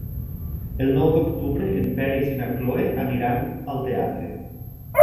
El nou d'octubre en Peris i na Cloè iran al teatre.